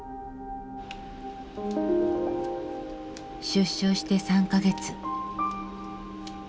出所して３か月。